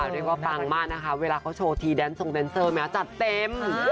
เรียกว่าปังมากนะคะเวลาเขาโชว์ทีแดนทรงแดนเซอร์แม้จัดเต็ม